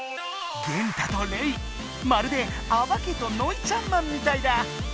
ゲンタとレイまるであばけとノイちゃんまんみたいだ！